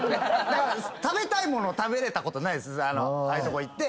だから食べたい物食べれたことないです。